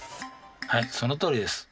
はいそのとおりです。